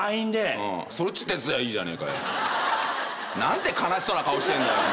何て悲しそうな顔してんだよ。